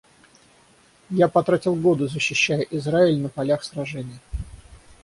Я потратил годы, защищая Израиль на полях сражений.